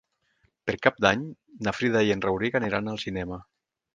Per Cap d'Any na Frida i en Rauric aniran al cinema.